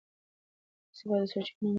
تاسي باید د سرچینو نومونه پټ وساتئ.